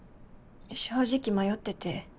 正直迷ってて。